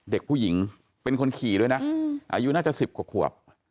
เด็กผู้หญิงเป็นคนขี่ด้วยนะอายุน่าจะ๑๐กว่าขวบ